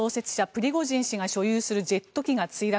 プリゴジン氏が所有するジェット機が墜落。